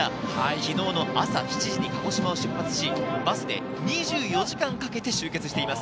昨日の朝７時に鹿児島を出発し、バスで２４時間かけて集結しています。